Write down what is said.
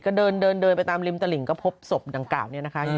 ก็เดินเดินไปตามริมตลิ่งก็พบศพดังกล่าวเนี่ยนะคะ